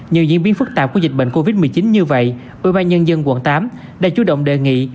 nhờ diễn biến phức tạp của dịch bệnh covid một mươi chín như vậy ủy ban nhân dân quận tám đã chú động đề nghị